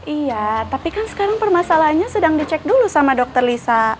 iya tapi kan sekarang permasalahannya sedang dicek dulu sama dokter lisa